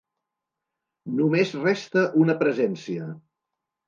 Només resta una presència.